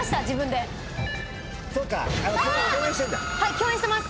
共演してます。